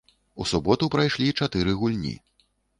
У суботу прайшлі чатыры гульні.